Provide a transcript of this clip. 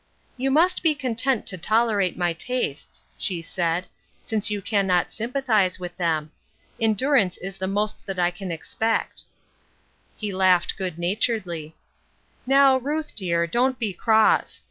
" You must be content to tolerate my tastes," she said, "since you can not sympathize with them. Endurance is the most that I can expect." He laughed good naturedly. " Now, Ruth, dear, don't be cross.